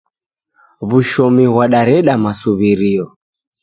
Wushomi ghwadareda masuw'irio